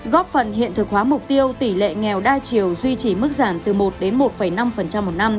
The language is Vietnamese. góp phần hiện thực hóa mục tiêu tỷ lệ nghèo đa chiều duy trì mức giảm từ một đến một năm một năm